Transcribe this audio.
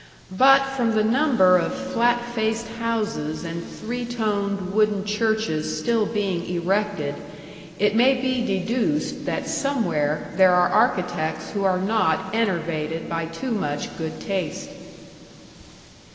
But from the number of flat faced houses and three toned wooden churches still being erected, it may be deduced that somewhere there are architects who are not enervated by too much good taste.